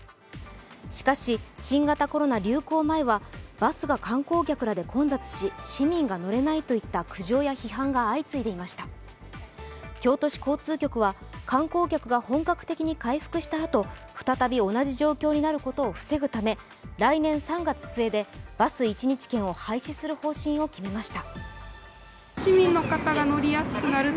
しかし、新型コロナ流行前はバスが観光客らで混雑し市民が乗れないといった苦情や批判が相次いでいました京都市交通局は観光客が本格的に回復したあと、再び同じ状況になることを防ぐため来年３月末でバス１日券を廃止する考えを示しました。